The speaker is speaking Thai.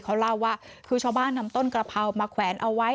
เขาเล่าว่าคือชาวบ้านนำต้นกระเพรามาแขวนเอาไว้